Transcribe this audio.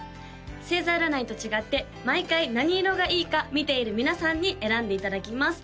星座占いと違って毎回何色がいいか見ている皆さんに選んでいただきます